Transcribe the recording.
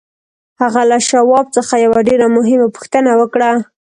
هغه له شواب څخه یوه ډېره مهمه پوښتنه وکړه